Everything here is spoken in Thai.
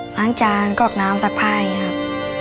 ล้างจานกรอกน้ำซักผ้าอย่างนี้ครับ